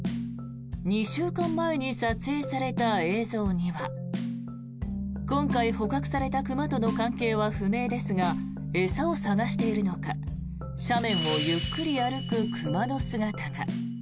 ２週間前に撮影された映像には今回捕獲された熊との関係は不明ですが餌を探しているのか斜面をゆっくり歩く熊の姿が。